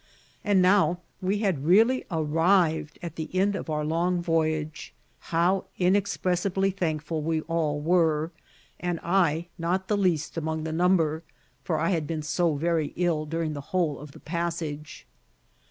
And now we had really arrived at the end of our long voyage. How inexpressibly thankful we all were! and I not the least among the number, for I had been so very ill during the whole of the passage.